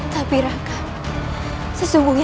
tapi rakan sesungguhnya